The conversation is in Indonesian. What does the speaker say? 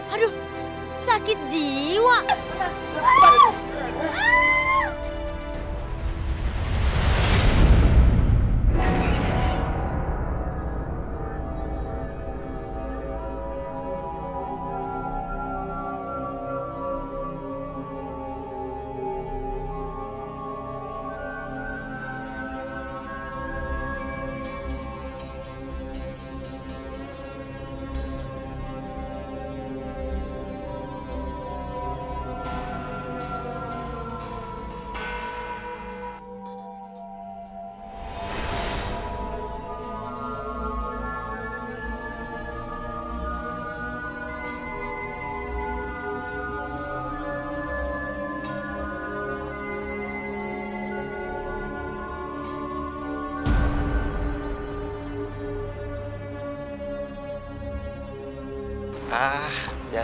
aduh sakit jiwa